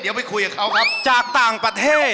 เดี๋ยวไปคุยกับเขาครับจากต่างประเทศ